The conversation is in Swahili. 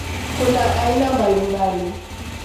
Kuna aina mbalimbali.